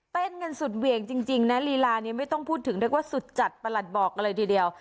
เต้นกันสุดเหวี่ยงจริงนะลีลานี้ไม่ต้องพูดถึงเรียกว่าสุดจัดประหลัดบอกกันเลยทีเดียว